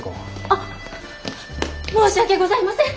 あっ申し訳ございません。